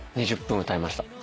２０分歌いました。